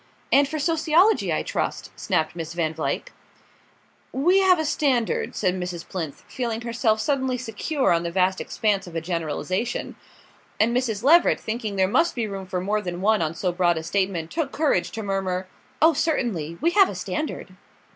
"And for sociology, I trust," snapped Miss Van Vluyck. "We have a standard," said Mrs. Plinth, feeling herself suddenly secure on the vast expanse of a generalisation; and Mrs. Leveret, thinking there must be room for more than one on so broad a statement, took courage to murmur: "Oh, certainly; we have a standard."